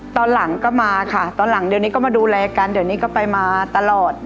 ตอนหลังก็มาค่ะตอนหลังเดี๋ยวนี้ก็มาดูแลกันเดี๋ยวนี้ก็ไปมาตลอด